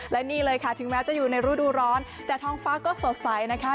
และนี่เลยค่ะถึงแม้จะอยู่ในรูดูร้อนแต่ท้องฟ้าก็สดใสนะคะ